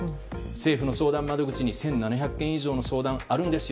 政府の相談窓口に１７００件以上の相談があるんです。